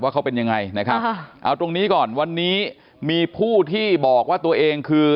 เขาเป็นยังไงนะครับเอาตรงนี้ก่อนวันนี้มีผู้ที่บอกว่าตัวเองคือ